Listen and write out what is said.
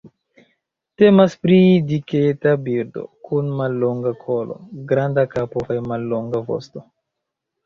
Temas pri diketa birdo, kun mallonga kolo, granda kapo kaj mallonga vosto.